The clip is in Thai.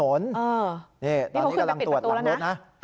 ตอนนี้กำลังตรวจบังรถนะ